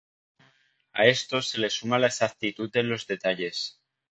A esto se le suma la exactitud en los detalles.